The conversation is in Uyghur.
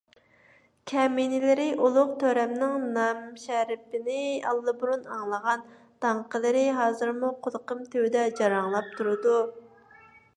كەمىنىلىرى ئۇلۇغ تۆرەمنىڭ نامىشەرىپىنى ئاللىبۇرۇن ئاڭلىغان، داڭقىلىرى ھازىرمۇ قۇلىقىم تۈۋىدە جاراڭلاپ تۇرىدۇ.